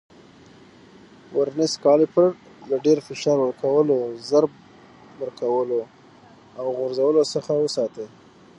ورنیز کالیپر له ډېر فشار ورکولو، ضرب ورکولو او غورځولو څخه وساتئ.